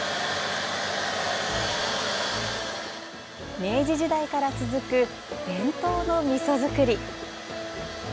明治時代から続く伝統のみそ作り。